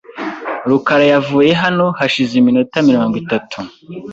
rukara yavuye hano hashize iminota mirongo itatu .